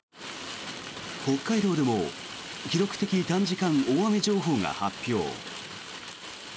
北海道でも記録的短時間大雨情報が発表。